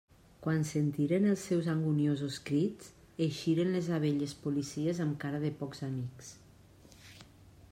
Quan sentiren els seus anguniosos crits, eixiren les abelles policies amb cara de pocs amics.